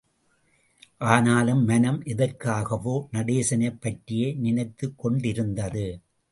ஆனாலும், மனம் எதற்காகவோ, நடேசனைப் பற்றியே நினைத்துக் கொண்டிருந்தது.